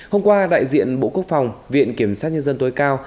hôm qua đại diện bộ quốc phòng viện kiểm sát nhân dân tối cao